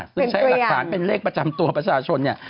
ซึ่งใช้หลักฐานเป็นเลขประจำตัวประชาชนเนี่ย